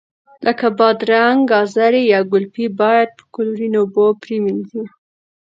لکه بادرنګ، ګازرې یا ګلپي باید په کلورین اوبو پرېمنځي.